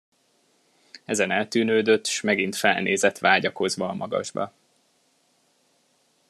Ezen eltűnődött, s megint felnézett vágyakozva a magasba.